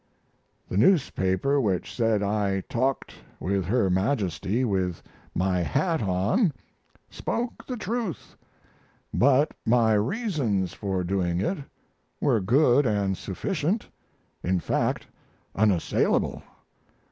The newspaper which said I talked with her Majesty with my hat on spoke the truth, but my reasons for doing it were good and sufficient in fact unassailable.